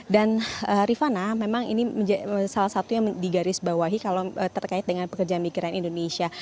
dan rivana memang ini salah satu yang digarisbawahi kalau terkait dengan pekerja migran indonesia